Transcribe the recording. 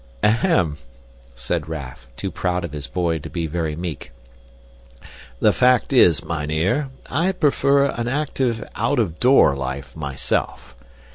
"Ahem," said Raff, too proud of his boy to be very meek. "The fact is, mynheer, I prefer an active, out of door life, myself.